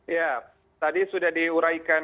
ya tadi sudah diuraikan